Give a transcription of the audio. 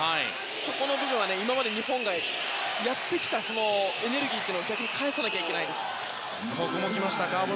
そこの部分は今まで日本がやってきたエネルギーを逆に返さなきゃいけないです。